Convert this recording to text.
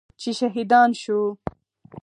چې شهیدان شو.